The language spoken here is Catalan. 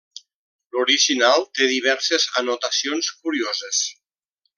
L'original té diverses anotacions curioses.